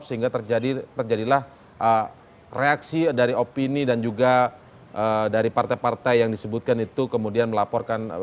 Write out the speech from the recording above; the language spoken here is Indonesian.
sehingga terjadilah reaksi dari opini dan juga dari partai partai yang disebutkan itu kemudian melaporkan